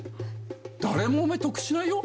誰も得しないよ？